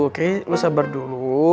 oke lo sabar dulu